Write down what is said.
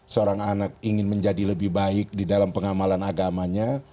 seorang anak ingin menjadi lebih baik di dalam pengamalan agamanya